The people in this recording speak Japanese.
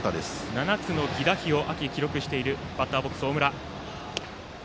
７つの犠打飛を秋、記録しているバッターボックスの大村。